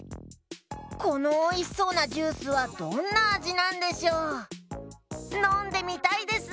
このおいしそうなジュースはどんなあじなんでしょう？のんでみたいです！